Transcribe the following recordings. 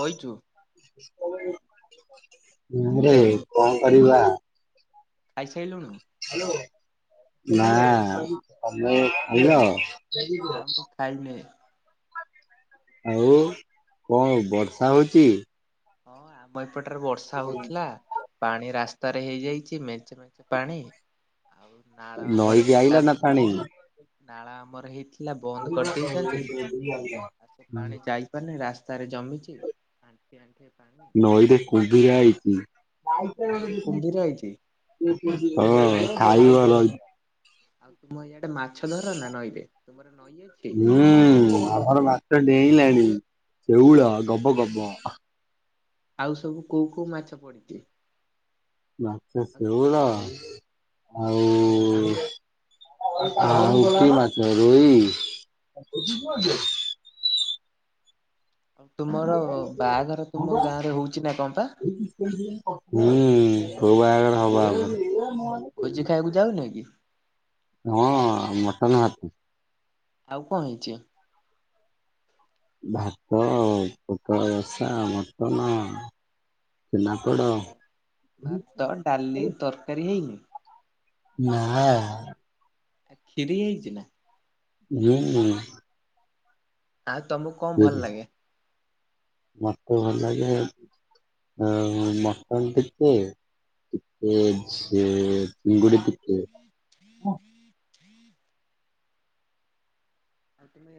ବଇଚୁ ରେ କଣ କରିବା? ଖାଇ ସାରିଲୁଣୁ? [unintelligible] ନା ମୁଁ ଖାଇନି। ଆଉ କଣ ଆଉ ବର୍ଷା ହଉଚି? ହଁ ଆମ ଏପଟରେ ବର୍ଷା ହଉଥିଲା। ପାଣି ରାସ୍ତାରେ ହେଇଯାଇଛି ମେଞ୍ଚେ ମେଞ୍ଚେ ପାଣି। ଆଉ ନାଳ ଆମର ନଈକି ଥିଲା, ଆଇଲା ନା ପାଣି? ନାଳ ଆମର ହେଇ ପଲା ବନ୍ଦ କରିଦେଇଛନ୍ତି ପାଣି ଯାଇ ରାସ୍ତାରେ ଜମିଛି ଆଣ୍ଠି ଆଣ୍ଠି ପାଣି। ନଈରେ କୁମ୍ଭୀର ନଈରେ ଆଇଛି। କୁମ୍ଭୀର ହେଇଛି ଆଉ ହଁ। [unintelligible] ଆଉ ତୁମ ଏଇଆଡେ ମାଛ ଧର ନା ନଈରେ ତୁମର ନଈ ଅଛି? ହୁଁ ଆମର ମାଛ ଡେଇଁଲାଣି ଶଉଳ ଗବ ଗବ ଆଉ ସବୁ କୋଉ କୋଉ ମାଛ ପଡିଛି? ମାଛ ଶେଉଳ ଆଉ ଆଉ କି ମାଛ ରୋହି। ତୁମର ବାହାଘର ହଁ ତୁମ ବା ଗାଁ ରେ ହଉଛି ନା କଣ ପା? ହୁଁ [unintelligible] ଭୋଜି ଖାଇବାକୁ ଯାଉନାଇଁ କି? ହଁ ମଟନ ହାତ ଆଉ କଣ ହେଇଛି? ଭାତ ଆଉ ପୋଟଳ ରସା, ମଟନ। ଛେନାପୋଡ଼ କାଲି ତରକାରୀ ହେଇନି? ନାଁ। ଆ କ୍ଷୀରି ହେଇଚିନା? ହୁଁ। ଆଉ ତମକୁ କଁ ଭଲ ଲାଗେ? ମତେ ଭଲ ଲାଗେ ମଟନ୍ ଟିକେ ଟିକେ ଝେ ଚିଙ୍ଗୁଡ଼ି ଟିକେ। [inaudible] ଆଉ ତୁମେ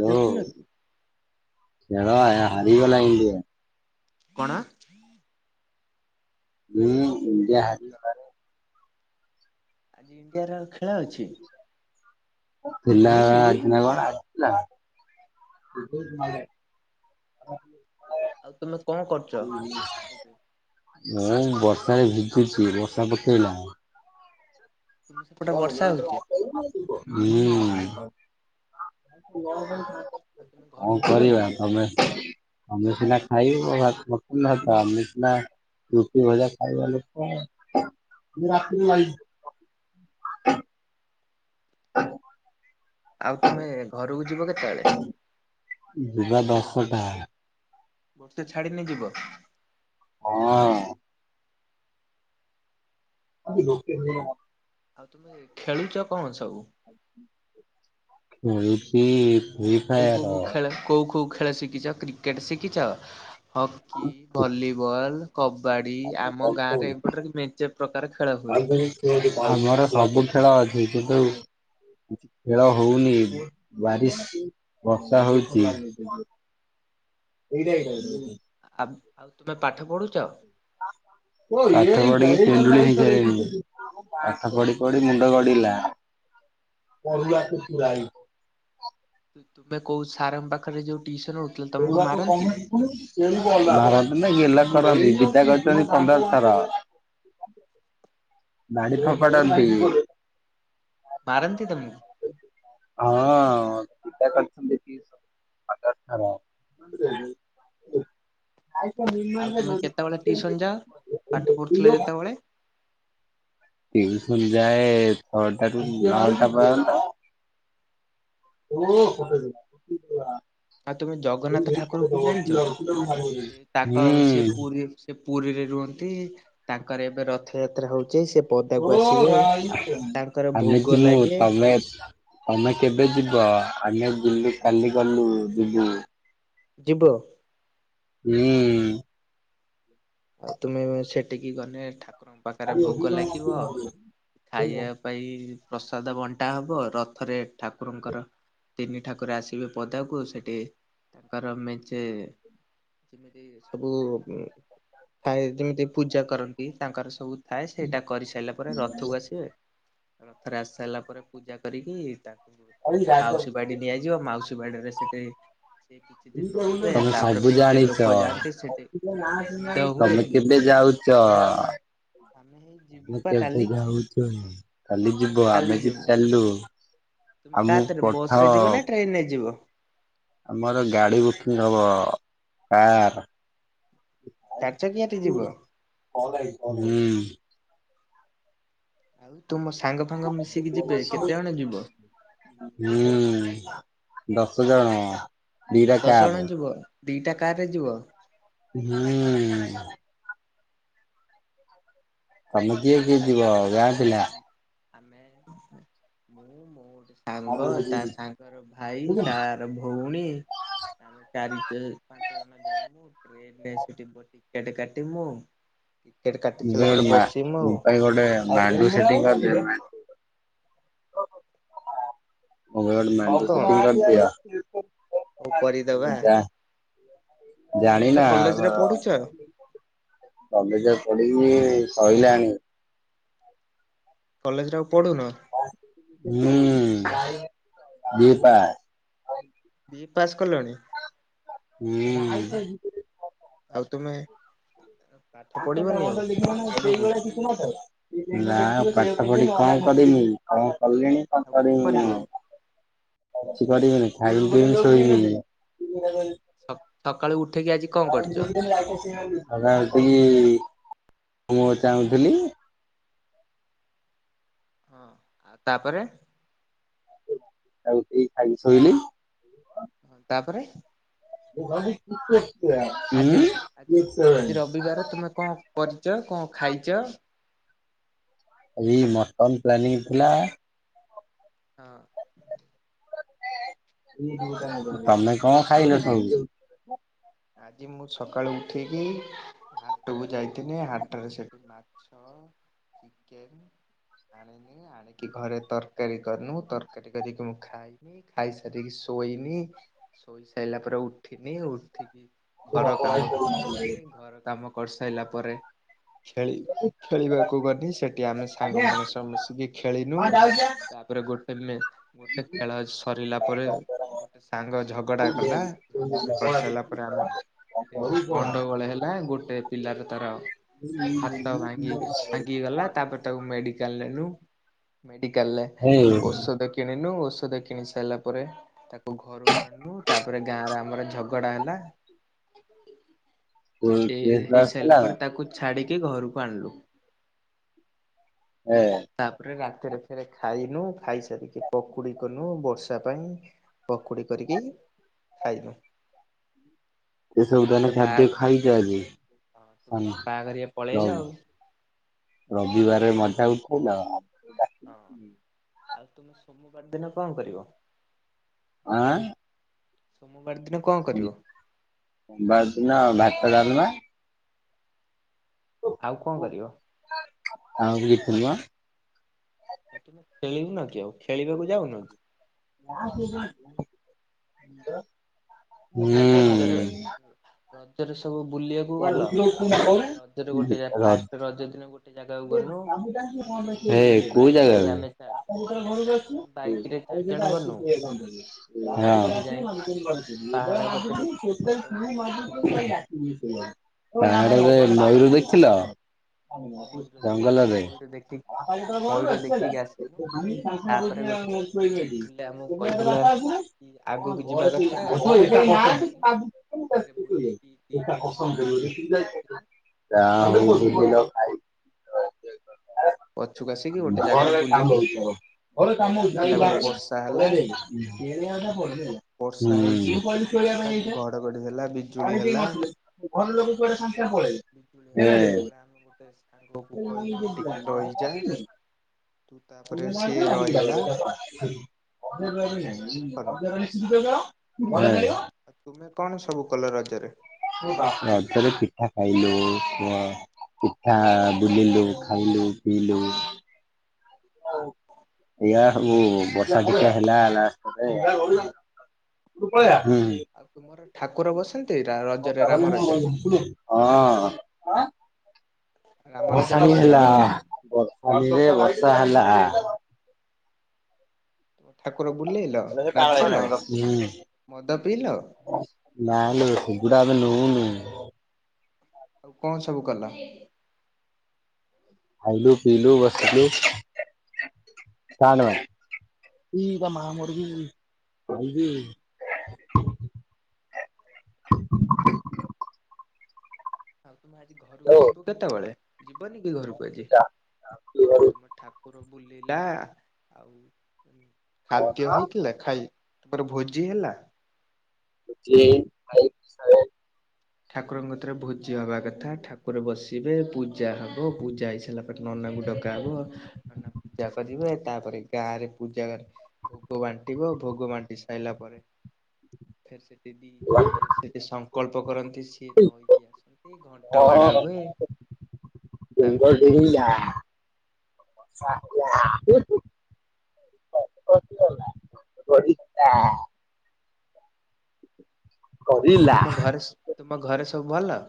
ହାଲୋ ଖେଳ ହାରିଗଲା ଇଣ୍ଡିଆ। କଣ? ହଁ ଇଣ୍ଡିଆ ହାରିଗଲାରେ। ଆଜି ଇଣ୍ଡିଆର ଖେଳ ଅଛି? ଥିଲା ଆଜିନା କଣ ଆସିଥିଲା [unintelligible] ଆଉ ତୁମେ କଁ କରୁଚ ଏବେ? ମୁଁ ବର୍ଷାରେ ଭିଜୁଚି ବର୍ଷା ପକେଇଲା ତୁମ ସେପଟେ [unintelligible] ହୁଁ ବର୍ଷା ହଉଛି ଆଉ ତମେ ଘରକୁ [unintelligible] କଁ ଯିବନି କରିବା କି? ତମେ ତମେସିନା ଖାଇବ ବାସ୍ ପସନ୍ଦ ହେଟା [unintelligible] ରୁଟି ଭଜା ଖାଇବ ହେଲେ [unintelligible] କଁଟେ ଆଉ ତୁମେ ଘରକୁ ଯିବ କେତେବେଳେ? ଯିବା ଦଶଟା। ବର୍ଷା ଛାଡ଼ିନେ ଯିବ? ହଁ। ଆଜି [unintelligible] ଆଉ ତୁମେ ଖେଳୁଚ କଁ ସବୁ? ଖେଳୁଚି କୋଉ କୋଉ କୋଉ ଖେଳ କୋଉ କୋଉ ଖେଳ ଶିଖିଚ କ୍ରିକେଟ୍ ଶିଖିଚ? ହକି ଭଲିବଲ୍ କବାଡ଼ି ଆମ ଗାଁରେ ଏପଟରେ ମେଞ୍ଚେ ପ୍ରକାର ଖେଳ ହୁଏ। ଆମର ସବୁ ଖେଳ ଅଛି କିନ୍ତୁ ଖେଳ ହଉନି ବାରିଶ୍ ବର୍ଷା ହଉଚି ଆପ୍ ଆଉ ତୁମେ ପାଠ ପଢୁଚ? ପାଠ ପଢିକି [unintelligible] ହେଇ ସାରିଲିଣି। ପାଠ ପଢି ପଢି ମୁଣ୍ଡ ଗଡ଼ିଲା। ତୁମେ କୋଉସାରଙ୍କ ପାଖରେ ଯୋଉ ଟିଉସନ୍ ହଉ [unintelligible] ଭରତନା ଗେଲା କରନ୍ତି ବିଦା କରିଚନ୍ତି ପନ୍ଦର ଥର। ବାଡ଼ି ଠଙ୍କଡମ୍ପି ମାରନ୍ତି ତମକୁ? ହଁ [unintelligible] [unintelligible] ଆଇଚ ଆଉ ତୁମେ କେତେବେଳେ ଟିଉସନ ଯାଅ? ପାଠ ପଢୁଥିଲ [unintelligible] ଯେତେବେଳେ ଟିଉସନ୍ ଯାଏ ଛଅଟା ଟୁ ବାରଟା ପର୍ଯ୍ୟନ୍ତ। ଓ ପରେ ଯିବା [unintelligible] ଆଉ ତମେ ଜଗନ୍ନାଥ ଠାକୁରଙ୍କୁ ଜାଣିଚ ଏ ତାଙ୍କ ସେ ହୁଁ ପୁରୀ ସେ ପୁରୀରେ ରୁହନ୍ତି ତାଙ୍କର ଏବେ ରଥଯାତ୍ରା ହଉଚି ସେ ପଦାକୁ ଓ ଆସିବେ ଭାଇ ତାଙ୍କର ଭୋଗ ଆମେକୁ ଲାଗେ। ତମେ ତମେ କେବେ ଯିବ ଆମେ ବୁଲି କାଲି ଗଲୁ ଯିବୁ ଯିବ ହୁଁ ଆଉ ତୁମେ ସେଟିକି ଗନେ ଠାକୁରଙ୍କ ପାଖରେ ଭୋଗ ଲାଗିବ ଖାଇବା ପାଇ ପ୍ରସାଦ ବଣ୍ଟା ହବ ରଥରେ ଠାକୁରଙ୍କର ତିନି ଠାକୁର ଆସିବେ ପଦାକୁ ସେଠି ତାଙ୍କର ମେଞ୍ଚେ ଯେମିତି ସବୁ ଥାଏ ଯେମିତି ପୂଜା କରନ୍ତି ତାଙ୍କର ସବୁ ଥାଏ ସେଇଟା କରିସାଇଲା ପରେ ରଥକୁ ଆସିବେ ରଥରେ ଆସିସାଇଲା ପରେ ପୂଜା କରିକି ତା [unintelligible] ମାଉସୀ ବାଡି ନିଆଯିବ ମାଉସୀ ବାଡିରେ ସେଟି ସେ କିଛି ଦିନ ରହିବେ ତମେ ତାପରେ ସବୁ ମେଞ୍ଚେ ଜାଣିଛ। ଲୋକ ଯାଆନ୍ତି ସେଟି ତମେ କେବେ ଯାଉଚ? ଆମେ ହେଇ ଯିବୁ ଆମେ ପା କେବେ କାଲି ଯାଉଛୁ କାଲି ଯିବ କାଲି ଆମେ ବି ଯିମୁ ଚାଲୁ ତୁମେ ଆମକୁ ତାତରେ ବସ ପଠାଅ ରେ ଯିବ ନା ଟ୍ରେନ ରେ ଯିବ? ଆମର ଗାଡି ବୁକିଂ ହବ କାର। ଚାରିଚକୀଆ ଟି ଯିବ ଅ ଭାଇ [unintelligible] ଆଉ ତୁମ ସାଙ୍ଗ ଫାଙ୍ଗ ମିଶିକି ଯିବେ କେତେ ଜଣ ଯିବ? ହୁଁ ଦଶ ଜଣ। ଦିଟା ଦଶ କାର ଜଣ ହୁଁ ଯିବ ଦିଟା କାରରେ ଯିବ ହୁଁ ତମେ କିଏ କିଏ ଯିବ ଗାଁ ପିଲା ଆମେ ମୁଁ ମୋ ଗୋଟେ ସାଙ୍ଗ ତା ସାଙ୍ଗର ଭାଇ ତା ର ଭଉଣୀ ଆମେ ଚାରି [unintelligible] ପାଞ୍ଚ ଜଣ ଯା ଜୀମୁ ଟ୍ରେନ ରେ ସେଟି ବ ଟିକେଟ କାଟିମୁ ଟିକେଟ କାଟି ମୁଁ ବି ଗୋଟେ ସାଇଲା ପରେ ମା ବସି ମୋ ପାଇଁ ଗୋଟେ ମାଣ୍ଡୁ ସେଟିଂ କରିଦେ ମା ମୋ ପାଇଁ ଗୋଟେ ସିଏ କଣ ମାଣ୍ଡୁ ସେଟିଂ ହଉ କରିଦିଅ ମୁଁ କରିଦବା ଏକା। ତୁମେ ଜାଣିନା କଲେଜରେ ଘର ପଢୁଛ କଲେଜେ ପଡିକି ସଇଲାଣି କଲେଜରେ ଆଉ ପଢୁନ ହୁଁ ବିଏ ପାସ୍। ବିଏ ପାସ୍ କଲଣି? ହୁଁ ଆଇପା ଯିତରେ ଆଉ ତୁମେ ଆ ପାଠ ପଢିବନି ଆଉ ଆଗକୁ ନା ପାଠ ପଢି କଣ କରିମି କଣ କଲିଣି କଁ ଆଉ କଣ କରିମି କରିବ? ମୁଁ କିଛି କରିବିନି ଖାଇମୀ ପିଇମି ଶୋଇ ପଡିବି ସ ସକାଳୁ ଉଠେଇକି ଆଜି କଁ କରୁଚ? [unintelligible] ଦବା ହେତିକି ମୁଁ ଚାହୁଁଥିଲି। ହଁ, ଆଉ ତାପରେ? ଆଉ ଉଠିକି ଖାଇ ଶୋଇଲି। ହଁ ତାପରେ? [unintelligible] ଆଜି ଆଜି ଆଜି ରବିବାର ତୁମେ କଣ କରିଛ? କଣ ଖାଇଛ? ଆଜି ମଟନ ପ୍ଲାନିଂ ଥିଲା। ହଁ। ତମେ କଣ ଖାଇଲ ସବୁ? ଆଜି ମୁଁ ସକାଳୁ ଉଠିକି ହାଟକୁ ଯାଇଥିଲି ହାଟରେ ସେଠି ମାଛ ହଁ ଚିକେନ୍ ଆଣି ହୁଁ ଆଣିକି ଘରେ ତରକାରୀ କରିନୁ ତରକାରୀ କରିକି ମୁଁ ଖାଇବି। ଖାଇସାରିକି ଶୋଇମି ଶୋଇ ସାରିଲା ପରେ ଉଠିନି ଉଠିକି ହଁ ଘର କାମ କିଛି କରିନି ଘର କାମ କରିସାରିଲା ପରେ ଖେଳି ଖେଳିବାକୁ ଗନି ସେଠି ଆମେ ସାଙ୍ଗମାନେ ସବୁ ମିଶିକି ଖେଳିନୁ ଯାଉଚି ବା। ତା ପୁରା ଗୋଟେ ପେ ଗୋଟେ ଖେଳ ହେଇ ସରିଲା ପରେ ଗୋଟେ ସାଙ୍ଗ ଝଗଡା କଲା, ଝଗଡା କରିସାରିଲା ପରେ ଉଁ ସେଠି ଗଣ୍ଡଗୋଳ ହେଲା ଗୋଟେ ପିଲାର ତାର ସେଠି ହାତ ଭାଙ୍ଗିକି ଭାଙ୍ଗି ଗଲା। ତାପରେ ତାକୁ ମେଡିକାଲ ନେଲୁ, ମେଡିକାଲରେ ଔଷଧ କିଣିନୁ ଔଷଧ କିଣି ସାରିଲା ପରେ ତାକୁ ଆଉ ଘରକୁ ଆଣିଲୁ ତାପରେ ଗାଁରେ ଆମର ଝଗଡା ହେଲା। ତୋ ହେ, ଟେଷ୍ଟ ହେଇ ଥିଲା ସାରିଲା ନା? ପରେ ତାକୁ ଛାଡିକି ଘରକୁ ଆଣିଲୁ। ହଁ। ତାପରେ ରାତିରେ ଫେରେ ଖାଇନୁ ଖାଇସାରିକି ପକୁଡି କନୁ ବର୍ଷା ପାଇଁ। ପକୁଡି କରିକି ଖାଇଲୁ। ଏ ସବୁ ତାନେ ଖାଦ୍ୟ ଖାଇଛ ଆଜି। ତୁମେ ତ ବାହାଘରିକ ପଳେଇଲ। ରବିବାରରେ ମଜା ଉଠେଇଲ। ହଁ ଆଉ ତୁମେ ସୋମବାର ଦିନ କଣ କରିବ? ଆଁ। ସୋମବାର ଦିନ କଣ କରିବ? ସୋମବାର ଦିନ ଭାତ ଡାଲମା। ଆଉ କଣ କରିବ? ଆଉ କିଛି ନୂହେଁ। ଆଉ ତୁମେ ଖେଳିବୁନ କି ଆଉ ଖେଳିବାକୁ ଯାଉନ କି? ଆଉ ତୁମେ ରଜରେ ହୁଁ। ରଜରେ ସବୁ ବୁଲିବା [unintelligible] ଫାଷ୍ଟ ରଜ ଦିନ ଗୋଟେ ଜାଗାକୁ ଗନୁ ସେଠି ହେ କୋଉ ଜାଗା ବାଇକରେ ବେ? ଆମେ ଚାରି ଆମେ ବାଇକରେ ଚାରି ଜଣ ଗନୁ ବାଇକରେ ଯାଇକି ପାହାଡ କତିରେ ସେଠି ଫଟୋ ଉଠେଇଲୁ ହଁ। ପାହାଡ ରେ ଫଟୋ ମୟୂରୁ ଉଠେଇ ଦେଖିଲ? ମୟୂର ଦେଖିନୁ, ମୟୂର ଦେଖିକି ମୟୂର ବାପା ଆସିଲୁ ଯେତେଳେ ତାପରେ ଗୋଟେ ଘରରୁ ସାଙ୍ଗଟେ ବୁଲେ ଆମକୁ ଆସି କହିଥିଲା ହେଲା କି ଆଗକୁ ଯିବା [unintelligible] କଥା ଆମେ ପଛକୁ [unintelligible] ପଳେଇଲୁ କ ଫେରେ ଜ [unintelligible] ସେିକି ଆସିଥିଲ [inaudible] ବ ଖାଇ [unintelligible] ପଛକୁ ଆସିକି ଗୋଟେ ଜାଗାରେ ଘରେ କାମ ବୁଲିକି ହଉଛି ମୋର ଘରେ ଫେରେ କାମ ଆସିଲା ବେଳେ ହଉଛି। ବର୍ଷା ହେଲା ପଢିଲ [inaudible] ବର୍ଷା ହେଇଚି ବର୍ଷା ହେଲା ଘଡଘଡି ହେଲା ବିଜୁଳି ଘରେ କେହି ହେଲା। ନଥିଲେ। ଘର ଲୋକ କୁଆଡେ ସାଙ୍ଗେ ସାଙ୍ଗେ ପଳେଇଲେ। ବିଜୁଳି ହେଲା ଘରେ ଯେତେବେଳେ ଆମେ ଗୋଟେ ସାଙ୍ଗକୁ ରହିବ। କହିଲୁ ଟିକ ରହିଯା ତୁ ତାପରେ ସିଏ ରହିଲା ଏ ଆମେ କଲୁ ଭଲ ଲାଗିବ। ଆ ତୁମେ କଣ ସବୁ କଲ ରଜରେ? ରଜରେ ପିଠା ଖାଇଲୁ କୁହ। ପିଠା ବୁଲିଲୁ ଖାଇଲୁ ପିଇଲୁ। ଏଇଆ ସବୁ ବର୍ଷା ଫର୍ଷା ହେଲା ରାସ୍ତାରେ ହୁଁ ଆଉ ତୁମର ଠାକୁର ବସନ୍ତି ରଜରେ ରାମ ରଜା ହଁ ରାମ ରାଜା ଭଷାଣି ବସେ? ହେଲା। [inaudible] ବର୍ଷା ହେଲା। ଠାକୁର ବୁଲେଇଲ ନାଚିଲ ହୁଁ ମଦ ପିଇଲ ନାଁଲୋ ହେଗୁଡ଼ା ଆମେ ନଉନୁ। ଆଉ କଣ ସବୁ କଲ? ଖାଇଲୁ ପିଲୁ ବସିଲୁ। ଶଣିବ ତ ମାମର୍ଗ [unintelligible] ଆଉ ତୁମେ ଆଜି ଘରକୁ ଯିବ କେତେବେଳେ ଯିବନି କି ଘରକୁ ଆଜି ଆଉ ତୁମ ଠାକୁ ବୁଲିଲା ଆଉ ଖାଦ୍ୟ ହେଇଥିଲା? ଖାଇ ତାପରେ ଭୋଜି ହେଲା? [unintelligible] ଫାଇ ସେଭ ଠାକୁରଙ୍କ ଥରେ ଭୋଜି ହବା କଥା ଠାକୁର ବସିବେ ପୂଜା ହବ ପୂଜା ହେଇସାରିଲା ନନାକୁ ଡକାହବ ନନା ପୂଜା କରିବେ ତାପରେ ଗାଁ ରେ ପୂଜା କର ଭୋଗ ବାଣ୍ଟିବ ଭୋଗ ବାଣ୍ଟି ସାଇଲା ପରେ ସିଏ ସେଠିକି ଯିଏ ସେଠି ସଂକଳ୍ପ କରନ୍ତି ସିଏ ନ ହେଇକି ଆସ ଏମତି ଘଣ୍ଟ ବାଡା ହୁଏ ତାଙ୍କୁ ନେଇକି ଆସି ସାରିଲ [inaudible] [inaudible] ଗଲା [unintelligible] ଆଉ କରିଲା। ତୁମ ଘରେ ତୁମ ଘରେ ସବୁ ଭଲ?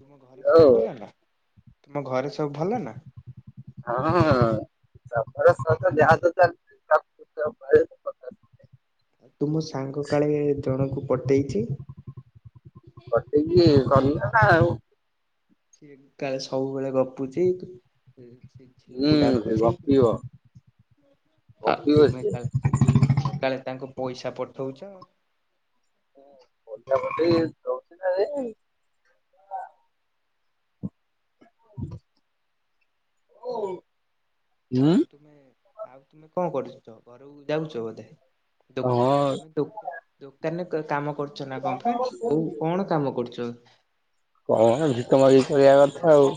ତୁମ ଘରେ ସବୁ ଭଲ ନା ତୁମ ଘରେ ସବୁ ଭଲ ନା? ହ [unintelligible] ଯାହା ତ ପ [inaudible] ତୁମ ସାଙ୍ଗ କାଳେ ଜଣକୁ ପଟେଇଛି? ପଟେଇକି [inaudible] କନ ନା ଆଉ ସିଏ କାଳେ ସବୁବେଳେ ଗପୁଛି? ସେ ହୁଁ ଝିଅଙ୍କୁ ଡାକୁଛି ଗପିବ ଆଉ ଗପିବ ତୁମେ ସିଏ କାଳେ କାଳେ ତାଙ୍କୁ ପଇସା ପଠଉଛ। ହୁଁ। ମୋଟାମୋଟି ରହୁଛିନା ନାହିଁ? ଓ। ଆଉ ତୁମେ ଆଉ ତୁମେ କଣ କରୁଚ ଘରୁକୁ ଯାଉଛ ବୋଧେ? ଦୋ ହଁ। ତୁମେ ଦୋ ଦୋକାନରେ କ କାମ କରୁ ଚନା କଣ ପେ କୋଉ କଣ କାମ କରୁଚ? କଣ ଭିକ ମାଗିକି ଚଳିବା କଥା ଆଉ।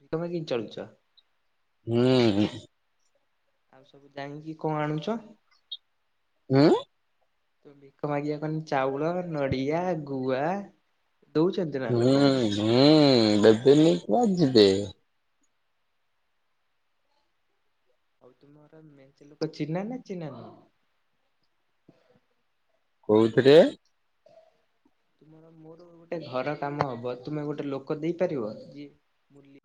ଭିକ ମାଗିକି ଚଲୁଚ? ହୁଁ ହୁଁ। ଆଉ ସବୁ ଯାଇଁକି କଣ ଆଣୁଚ? ହୁଁ। ତମେ ଭିକମାଗିବା କଣ ଚାଉଳ ନଡ଼ିଆ ଗୁଆ ଦଉଚନ୍ତ? ହୁଁ ହୁଁ ଦେବେନି କୁଆଡେ ଯିବେ। ଆଉ ତୁମର ମେଞ୍ଚେ ଲୋକ ଚିହ୍ନା ନା ଚିହ୍ନା ନାହିଁ? କୋଉଥିରେ? ତୁମ। ଧର ମୋର ଗୋଟେ ଘର କାମ ହବ ତୁମେ ଗୋଟେ ଲୋକ ଦେଇପାରିବ ଯି ମୁଲି?